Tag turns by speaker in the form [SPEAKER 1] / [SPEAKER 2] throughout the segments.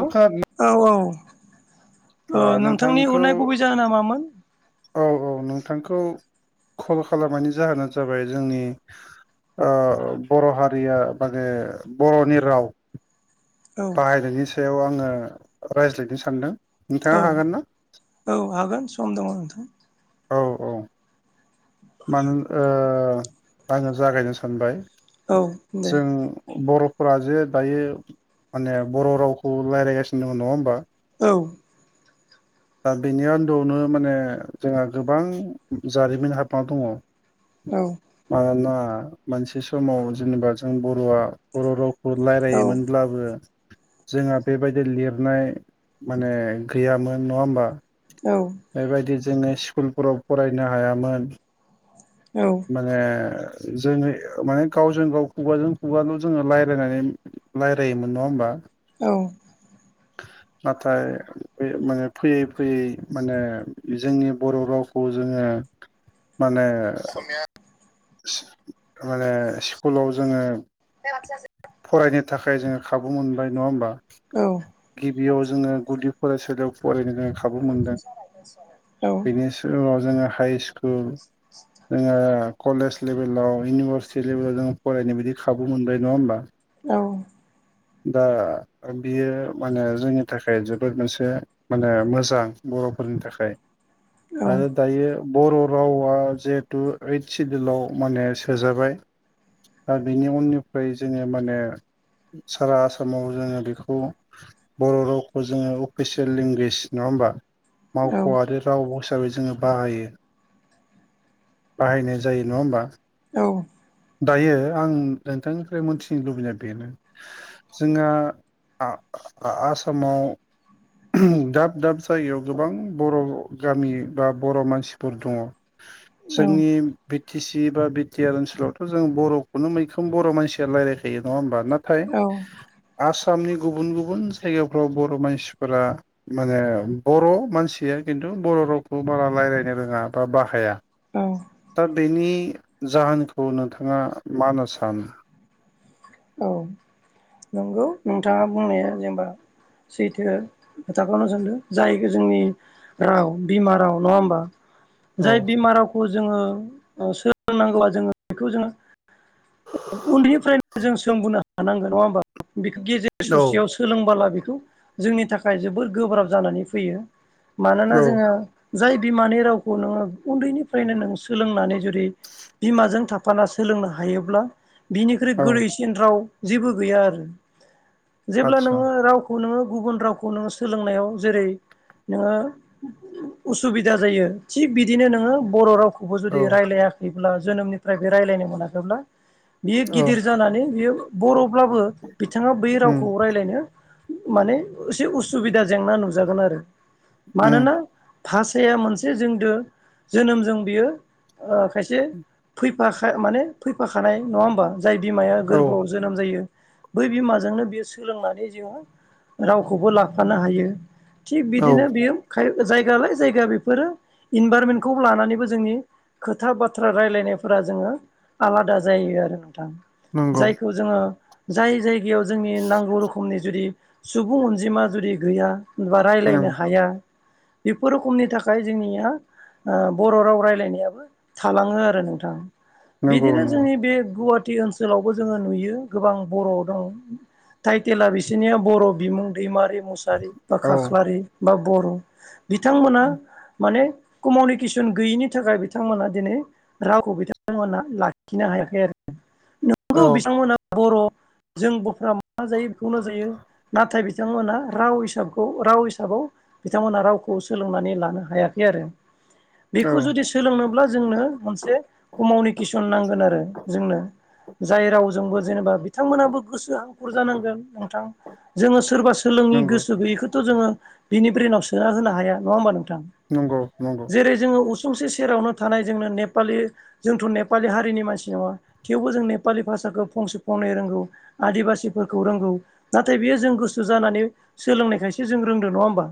[SPEAKER 1] अ
[SPEAKER 2] औ औ। नोंथांनि
[SPEAKER 1] नोंथांखौ
[SPEAKER 2] अरनाय गुबै जाहोन नाामामोन?
[SPEAKER 1] औ औ नोंथांखौ कल खालामनायनि जाहोनानो जाबाय जोंनि बर' हारिया माने बर'नि राव
[SPEAKER 2] औ
[SPEAKER 1] बाहायनायनि सायाव आङो रायज्लायनो सानदों। नोंथाङा
[SPEAKER 2] औ
[SPEAKER 1] हागोन ना
[SPEAKER 2] औ हागोन सम दङ नोंथां।
[SPEAKER 1] औ औ। मानोोन आङो जागायनो सानबाय
[SPEAKER 2] औ दे
[SPEAKER 1] जों बर' न जे दायो माने बर' रावखौ रायज्लायगासिनो दङ नङा होमबा?
[SPEAKER 2] औ
[SPEAKER 1] दा बेनि आन्दोआवनो माने जोंहा गोबां जारिमिन हाबा दङ।
[SPEAKER 2] औ
[SPEAKER 1] मानोना मोनसे समाव जेनेबा जों बर'आ बर' रावखौ
[SPEAKER 2] औ
[SPEAKER 1] रायलायोमोनब्लाबो जोंहा बेबायदि लिरनाय माने गैयामोन नङा होमबा?
[SPEAKER 2] औ
[SPEAKER 1] बेबायदि जोङो स्कुलफोराव फरायनो हायामोन।
[SPEAKER 2] औ
[SPEAKER 1] माने जोङो माने गावजों गाव खुगाजों खुगाल' जोङो रायजलायनानै रायजलायोमोन नङा होमबा?
[SPEAKER 2] औ।
[SPEAKER 1] नाथाय माने फैयै फैयै माने जोंनि बर' रावखौ जोङो माने माने स्कुलाव जोङो
[SPEAKER 2] बेसा [unintelligible]
[SPEAKER 1] नि थाखाय जोङो खाबु मोनबाय नङा होमबा?
[SPEAKER 2] औ।
[SPEAKER 1] बेयाव जोङो गुदि फरायसालियाव फरायनो जोङो खाबु मोनदों बेनि सिगाव जोङो हाइ स्कुल जोङो कलेज लेभेलाव इउनिभारसिटि लेभेलाव जों फरायनाय बायदि खाबु मोनबाय नङा होमबा?
[SPEAKER 2] औ
[SPEAKER 1] दा बियो माने जोंनि थाखाय जोबोद मोनसे माने मोजां। बर'फोरनि थाखाय आरो दायो बर' रावा जिहेथु ओइथ सिदुलाव माने सोजाबाय दा बेनि उननिफ्राय जोङो माने सारा आसामाव जोङो बेखौ बर' रावखौ जोङो अफिसियेल लेंगुवेज नङा होमबा? मावख'आ आरो राव हिसाबै जोङो बाहायो। बाहायनाय जायो नङा होमबा?
[SPEAKER 2] औ
[SPEAKER 1] दायो आं नोंथांनिफ्राय मोनथिनो लुबैनाया बेनो जोंहा आ -आसामाव दाब दाब जायगायाव गोबां बर' गामि बा बर' मानसिफोर दङ।
[SPEAKER 2] औ
[SPEAKER 1] जोंनि बि टि सि बा बिटिआर ओनसोलाव जों बर'खौनो मैखोम बर' मानसिया रायज्लायखायो नङा होमबा? नाथाय आस आसामनि गुबुन गुबुन जायगाफ्राव बर' मानसिफोरा माने बर' मानसिया खिन्थु बर' रावखौ बारा रायज्लायनो रोङा बा बाहाया। दा बेनि जाहोनखौ नोंथाङा मा होनना सानो?
[SPEAKER 2] औ नंगौ नोंथाङा बुंनाया जेनेबा सैथो खोथाखौनो सानदों जाय जोंनि राव बिमा राव नङा होमबा? जाय
[SPEAKER 1] औ
[SPEAKER 2] बिमा रावखौ जोङो ओ सोलोंनांगौआ जोङो बेखौ जोङो उन्दैनिफ्राय जों सोंबोनो हानांगोन। नङा होमबा? बिखौ गेजेर
[SPEAKER 1] औ
[SPEAKER 2] ससेयाव सोलोंबोला बि खौ जोंनि थाखाय जोबोर गोब्राब जानानै फैयो। मानोना
[SPEAKER 1] औ
[SPEAKER 2] जोङो जाय बिमानि रावखौ नोङो उन्दैनिफ्रायनो नों सोलोंनानै जुदि बिमाजों थाफाना सोलोंनो हायोब्ला बिनिख्रुइ
[SPEAKER 1] औ
[SPEAKER 2] गोरलैसिन राव जेबो गैया आरो। जेब्ला
[SPEAKER 1] आतसा
[SPEAKER 2] नोङो रावखौ नोङो गुबुन रावखौ नोङो सोलोंनायाव जेरै नोङो उसुबिदा जायो थिग बिदिनो नोङो बर' राव खौबो जुदि
[SPEAKER 1] औ
[SPEAKER 2] रायज्लायाखैब्ला जोनोमनिफ्रायबो रायलायनो मोनाखैब्ला बियो
[SPEAKER 1] औ
[SPEAKER 2] गिद दिर जानानै बियो बर'ब्लाबो बिथाङा बै
[SPEAKER 1] उम
[SPEAKER 2] रावखौ रायज्लायनो माने एसे उसुबिदा जेंना नुजागोन आरो।
[SPEAKER 1] उम
[SPEAKER 2] मानोना भाषाया मोनसे जोंदो जोनोमजों बियो ओ खायसे फै माखा माने फैफाखानाय। नङा होमबा? जाय बिमाया
[SPEAKER 1] औ
[SPEAKER 2] गोरबोआव जोनोम जायो बै बिमाजोंनो बियो सोलोंनानै जोङो रावखौबो लाफानो हायो। थिग
[SPEAKER 1] औ
[SPEAKER 2] बिदिनो बियो खाय जायगा लाय जायगा बिफोरो इनभारमेन्टखौ लानानैबो जोंनि खोथा बाथ्रा रायलायनायफोरा जोङो आलादा जायो आरो नों थां
[SPEAKER 1] नंगौ
[SPEAKER 2] जायखौ जोङो जाय जायगायाव जोंनि नांगौ रोखोमनि जुदि सुबुं अनजिमा जुदि गैया बा
[SPEAKER 1] उम
[SPEAKER 2] रायज्लायनो हाया बेफोर रखमनि थाखाय जोंनिया ओ बर' राव रायलायनायाबो थालाङो आरो नोंथां।
[SPEAKER 1] नंगौ
[SPEAKER 2] बिदिनो
[SPEAKER 1] नंगौ
[SPEAKER 2] जोंनि बे गुवा टि ओनसोलावबो जोङो नुयो गोबां बर' दं थटाइटेला बिसिनिया बर' बिमुं दैमारि मुसारि बा
[SPEAKER 1] औ
[SPEAKER 2] खाख्लारि बा बर' बिथांमोना माने कमनिकेसन गैयिनि थाखाय बिथांमोना दिनै रावखौ बिथांमोना लाखिनो हायाखै आरो।
[SPEAKER 1] औ
[SPEAKER 2] नोंगौ बिथांमोना बर'। जों बफ्रा मा जायो बिखौनो जायो। नाथाय बिथांमोनहा राव हिसाबखौ राव हिसाबाव बिथांमोना रावखौ सोलोंनानै लानो हायाखै आरो। बेखौ
[SPEAKER 1] औ
[SPEAKER 2] जुदि सोलोंनोब्ला जोंनो मोनसे कमाउनिकेसन नांगोन आरो। जोंनो। जाय रावजोंबो जेनेबा बिथांमोनाबो गोसो हांखुर जानांगोन नोंथां। जोङो सोरबा स सोलोंनि
[SPEAKER 1] नंगौ
[SPEAKER 2] गोसो गैयिखौथ' जोङो बिनि ब्रेनाव सोना होनो हाया। नङा होमबा नों थां
[SPEAKER 1] नंगौ नंगौ
[SPEAKER 2] जेरै जोङो उस सुंसे सेरावनो थानाय जोंनो नेपालि जोंथ' नेपालि हारिनि मानसि नङा थेवबो जों नेपालि भाषाखो फंसे फंनै रोंगौ आदिबासिफोरखौ रोंगौ नाथाय बियो जों गोसो जानानै सोलोंनायखायसो जों रोंदों। नङा होमबा?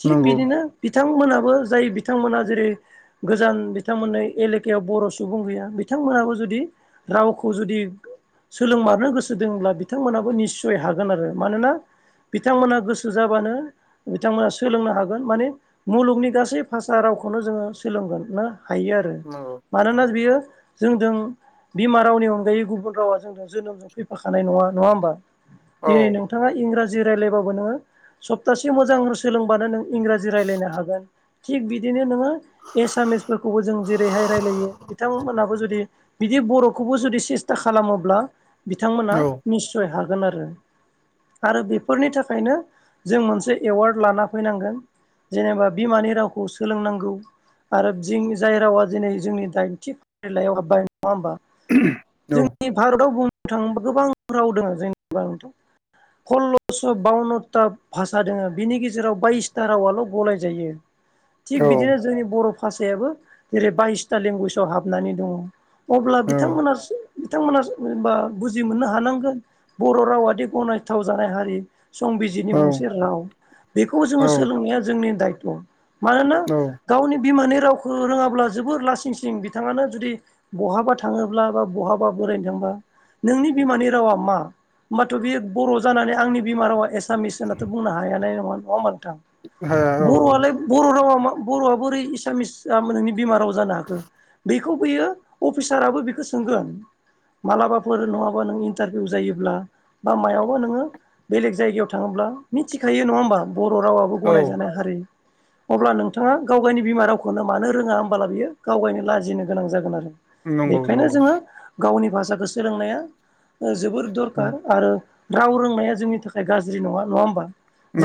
[SPEAKER 2] थिग
[SPEAKER 1] नंगौ
[SPEAKER 2] बिदिनो थां मोनाबो जाय बिथांमोना जेरै गोजान बिथांमोन्नो एलेखायाव बर' सुबुं गैया बिथां थांमोनाबो जुदि रावखौ जुदि सोलोंमारनो गोसो दोङोब्ला बिथांमोनाबो निस्सय हागोन आरो। मानोना बिथांमोना गोसो जाबानो बिथांमोना सोलोंनो हागोन माने मुलुगनि गासै भाषा राव गावख'नो जोङो सोलोंगोननो हायो आरो
[SPEAKER 1] नंगौ औ
[SPEAKER 2] मानोना बियो जोंदों बिमा रावनि अनगायै गुबुन रावा जोंदों जोनोमजों फैफाखानाय नङा। नङा होमबा?
[SPEAKER 1] औ
[SPEAKER 2] दिनै नोंथाङा इंराजि रायलायबाबो नोङो सप्तासे मोजां सोलों बानो नों इंराजि रायज्लायनो हागोन। थिग बिदिनो नोङो एसामिसफोरखौबो जों जेरैहाय रायलायो बिथांमोनाबो जुदि दि बर'खौबो जुदि सेस्था खालामोब्ला बिथांमोना
[SPEAKER 1] औ
[SPEAKER 2] निस्सय हागोन आरो। आरो बेफोरनि थाखायनो जों मोनसे एवार्ड लाना फैनांगोन। जेनेबा बिमानि रावखौ सोलोंनांगौ आरो दिं जाय रावा दिनै जोंनि दाइनथि फारिलाइयाव हाब्बाय। नङा होमबा?
[SPEAKER 1] औ
[SPEAKER 2] जोंनि भारताव बुंनो थाङोबा गोबां राव दङो जोंनि भारताव। सल्लस' बावन्नता भाषा दोङो बिनि गेजेराव बायसथा रावाल' गलाय जायो। थिग बिदिनो जोंनि बर' भाषायाबो जेरै बायसथा लेंगुवेजाव हाबनानै दङ। अब्ला
[SPEAKER 1] औ
[SPEAKER 2] बिथांमोनासो बिथांमोनाबा बुजि मोननो हानांगोन बर' रावाद गनायथाव जानाय हारि संबिजितनि
[SPEAKER 1] औ
[SPEAKER 2] गंसे राव बेखौ जोङो
[SPEAKER 1] औ
[SPEAKER 2] सोलोंनाया जोंनि दायथ' मानोना
[SPEAKER 1] औ
[SPEAKER 2] गावनि बिमानि रावखौ रोङाब्ला जोबोर लासिं सिं बिथाङानो जुदि बहाबा थाङोब्ला बा बहाबा बोरायनो थांबा नोंनि बिमानि रावा मा होमबाथ' बे बर' जानानै आंनि बिमा रावा एसे आसामिस होनथ' बुंनो हायाानाय नङा नङा होमा नोंथां
[SPEAKER 1] हाया औ
[SPEAKER 2] बर'आलाय बर' रावा मा बर'आ बोरै एसामिस नोंनि बेमार राव जानो हाखो बेखौ बियो अफिसाराबो बेखौ सोंगोन मा्लाबाफोर नङाबा नों इन्टारभिउ जायोब्ला बा मायावायावबा नोङो बेलेग जायगायाव थाङोब्ला मिथिखायो नङा होमबा बर' रावाबबो
[SPEAKER 1] औ
[SPEAKER 2] गनायजानाय हारि अब्ला नोंथाङा गाव गावनि बिमा रावखौनो मानो रोङा होमबला बियो गावगायनो लाजिनो गोनां जागोन आरो।
[SPEAKER 1] नंगौ
[SPEAKER 2] बेखायनो
[SPEAKER 1] नंगौ
[SPEAKER 2] जोङो गावनि भाषाखौ सोलोंनाया जोोबोर दरखार आरो राव रोंनाया जोंनि थाखाय गाज्रि नङा नङा होमबा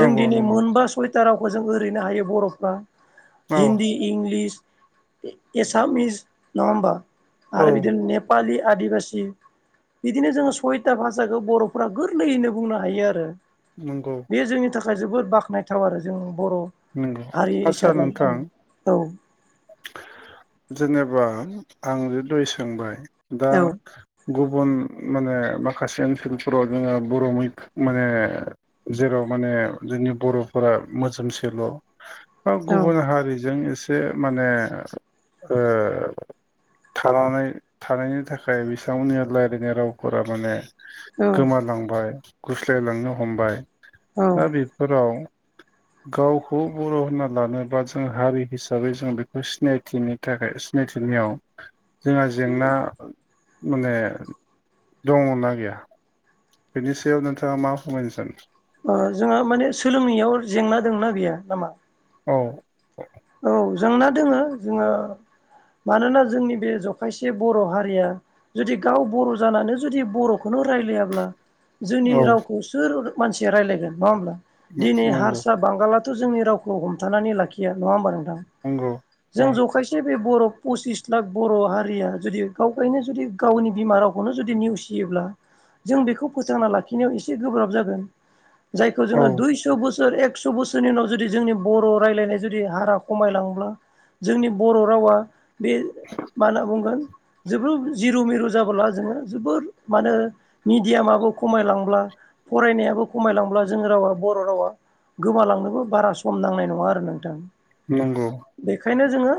[SPEAKER 2] जों दिनै
[SPEAKER 1] नंगौ
[SPEAKER 2] मोनबा सयताराव खौ जों ओरैनो हायो बर'फ्रा
[SPEAKER 1] औ
[SPEAKER 2] हिन्दी, इंलिस एसामिस, नङा होमबा
[SPEAKER 1] औ
[SPEAKER 2] आरो बिदिनो नेपाालि, आदिबासि बिदिनो जोङो सयता भाषाखौ बर'फोरा गोरलैयैनो बुंनो हायो आरो।
[SPEAKER 1] नोंगौ।
[SPEAKER 2] बे जोंनि थाखाय जोबोद बाख्नायथाव आरो जों बर'
[SPEAKER 1] नंगौ
[SPEAKER 2] हारि
[SPEAKER 1] आदसा
[SPEAKER 2] हिसाबै
[SPEAKER 1] नोंथां
[SPEAKER 2] औ।
[SPEAKER 1] जेनेबा आं जि दय सोंबाय दा
[SPEAKER 2] औ
[SPEAKER 1] गुबुन माने माखासे ओनसोलफोराव जोङो बर' मै माने जेराव माने जोंनि बर'फोरा मोजोमसेल' बा
[SPEAKER 2] औ
[SPEAKER 1] गुबुन हारिजों एसे माने ओ थानानै थानायनि थाखाय बिथांमोननि रायज्लायनाय रावफोरा माने
[SPEAKER 2] औ
[SPEAKER 1] गोमालांबाय गुस्लायलांनो हमबाय
[SPEAKER 2] औ
[SPEAKER 1] दा बेफोराव गावखौ बर' होनना लानोबा जों हारि हिसा हिसाबै जों बेखौ सिनायथिनि थाखाय सिनायथिनायाव जोंहा जेंना माने दङना गैया? बेनि सायाव नोंथाङा मा फोरमायनो सानो?
[SPEAKER 2] जोंहा माने सोलोंनायाव जेंना दंनाा बेयो नामा?
[SPEAKER 1] औ।
[SPEAKER 2] औ जोंना दोङो जोङो मानोना जोंनि बे जखायसे बर' हारिया जुदि गाव बर' जानानै जुदि बर'खौनो रायलायाब्ला जोंनि
[SPEAKER 1] औ
[SPEAKER 2] रावखौ सोर मानसिया रायज्लायगोन नङा होमब्ला? दिनै
[SPEAKER 1] नंगौ
[SPEAKER 2] हारसा बांगाला जोंनि रावखौ हमथानानै लाखिया नङा होमबा नोंथां?
[SPEAKER 1] नंगौ औ
[SPEAKER 2] जों ज'खायसे बे बर' पसिस लाख बर' हारिया जुदि गाव गायनो जुदि गावनि बिमा रावखौनो जुदि नेवसियो जों बेखौ फोथांना लाखिनायाव एसे गोब्राब जागोन। जायखौ
[SPEAKER 1] औ
[SPEAKER 2] जोङो दुइस' बोसोर एकस' बोसोरनि उनाव जुदि जोंनि बर' रायज्लायनाय जुदि हारा खमायलाङोब्ला जोंनि बर' रावा बे मा होनना बुंगोन जोबद जिरु मिरु जाबोला जोङो जोबोर माने मिडियामाबो खमायलांब्ला फरायनायाबो खमायलांब्ला जोंनि रावा बर' रावा गोमालांनोबो बारा सम नांनाय नङा आरो नों
[SPEAKER 1] नंगौ
[SPEAKER 2] बेखायनो जोङो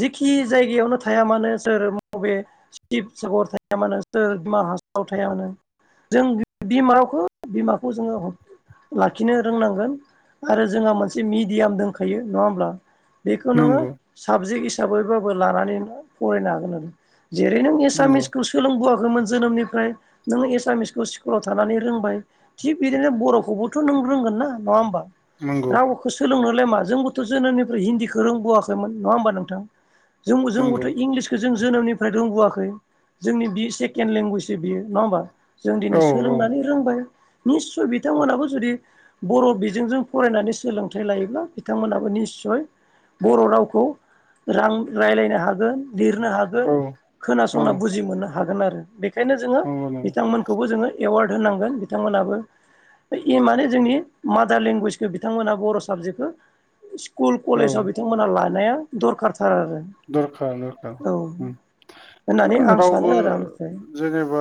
[SPEAKER 2] जिखि जायगायावनो थाया मानो सोर बबे शिबसागर थाया मानो सोर बिमा हासाराव थाया मानो जों बिमाखौ बिमाखौ जोङो हर लाखिनो रोंनांगोन आरो जोंहा मोनसे मि मियाम दखायो नङा हब्ला बेखौ नोङो
[SPEAKER 1] नंगौ
[SPEAKER 2] साबजेक् हिसाबै हिसाबैबाबो लानानै फरायनो हागोन आरो जेरै नों
[SPEAKER 1] नंगौ
[SPEAKER 2] एसामिसखौ सोलोंबो जोनोमनिफ्राय नोङ एसामिसखौ स्कुलाव थानानै रोंबाय थिग बिदिनो बर'खौबोथ' नों रोंगोन नङा होमबा?
[SPEAKER 1] नंगौ
[SPEAKER 2] नोलाय मा जोंबोथ' जोनोमनिफ्राय हिन्दीखौ रोंबोआाखैमोन नङा होमबा नोंथां? जों जोंबोथ'
[SPEAKER 1] नंगौ
[SPEAKER 2] इंलिसखौ जों जोनोमनिफ्राय रोंबोआखै जोंनि बि सेकेणड लेंगुवेजसो बियो नङा होमबा? जों दिनै
[SPEAKER 1] औ
[SPEAKER 2] सोलोंनानै रोंबाय निस्सय बिथांमोनाबो जुदि बर' बिजोंजों फरायनानै सोलों थाइ लायोब्ला बिथांमोनाबो निसय बर' रावखौ रां रायज्लायनो हागोन लिरनो हागोन
[SPEAKER 1] औ औ
[SPEAKER 2] खोनासंना बुजि मोननो हागोन आरो। बेखायनो जोङो
[SPEAKER 1] नंगौ नंगौ
[SPEAKER 2] बिथांमोनखौबो जोङो एवार्ड होनांगोन बिथांमोनाबो इ माने जोंनि मादार लेंगुवेजखौ बिथांमोनहा बर' साबजेक्टखौ स्कुल
[SPEAKER 1] औ
[SPEAKER 2] कलेजाव बिथांमोना लानाया दरखार
[SPEAKER 1] दरखार औ
[SPEAKER 2] होननानै आं सानो
[SPEAKER 1] रावबो
[SPEAKER 2] आरो आंनिफ्राय
[SPEAKER 1] जेनेबा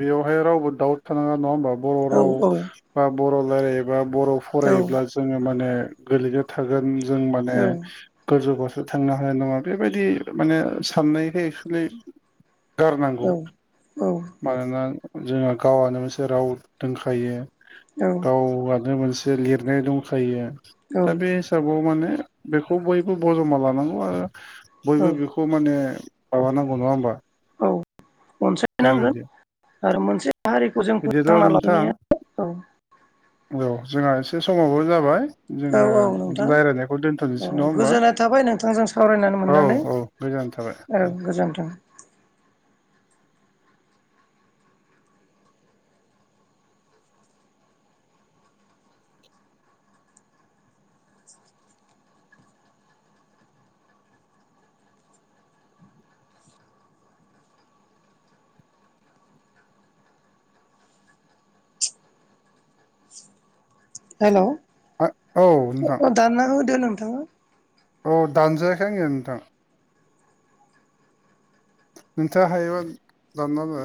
[SPEAKER 1] बेयावहाय रावबो दाउट नाङा नङा होमबा बर'
[SPEAKER 2] औ
[SPEAKER 1] राव
[SPEAKER 2] औ
[SPEAKER 1] बा बर' रायलायोबा बर'
[SPEAKER 2] औ
[SPEAKER 1] फरायोब्ला जोङो माने गोरलैनो थागोन जों माने
[SPEAKER 2] औ
[SPEAKER 1] गोजौआवसेो थांनो हानाय नङा। बेबायदि माने साननायखाय एक्सुलि गारनांगौ
[SPEAKER 2] औ
[SPEAKER 1] मानोना जोंहा गावआनो मोनसे राव दोनखायो
[SPEAKER 2] औ
[SPEAKER 1] गावआनो मोनसे लिरनाय दंखायो दा बे हिसाबाव माने बेखौ बयबो बजबमा लानांगौ आरो।
[SPEAKER 2] औ
[SPEAKER 1] बयबो बेखौ माने माबानांगौ नङा होमबा?
[SPEAKER 2] औ
[SPEAKER 1] दा
[SPEAKER 2] अनसायनांगोन
[SPEAKER 1] बिदि
[SPEAKER 2] आरो मोनसे हारिखौ जों
[SPEAKER 1] बिदिब्ला
[SPEAKER 2] फोथांना
[SPEAKER 1] नोंथां
[SPEAKER 2] लायनाया औ
[SPEAKER 1] औ जोंहा एसे समावबो जाबाय।
[SPEAKER 2] औ
[SPEAKER 1] जोङो
[SPEAKER 2] औ नोंथां
[SPEAKER 1] रायज्लायनायखौ दोनथ'नोसै
[SPEAKER 2] औ
[SPEAKER 1] नङा होमबा
[SPEAKER 2] गोजोननाय थाबाय नोंथांजों सावरायनानै
[SPEAKER 1] औ
[SPEAKER 2] मोननानै।
[SPEAKER 1] औ गोजोननाय थाबाय
[SPEAKER 2] औ गोजोन्थों। हेल'
[SPEAKER 1] औ औ नोंथां
[SPEAKER 2] अ दाना होदो नोंथाङा।
[SPEAKER 1] औ दानजायाखै आंना नोंथां। नोंथाङा हायोबा दानना होनो